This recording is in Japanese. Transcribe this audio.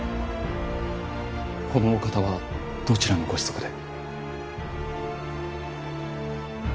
このお方はどちらのご子息で。